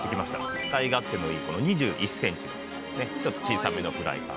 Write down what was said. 使い勝手のいいこの２１センチのねちょっと小さめのフライパン。